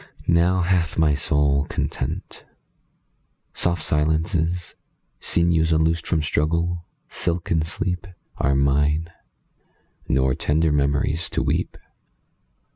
Now hath my soul content. Soft silences, Sinews unloosed from struggle, silken sleep, 27 Are mine; nor tender memories to weep.